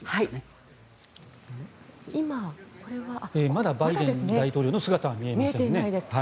まだバイデン大統領の姿は見えていないですね。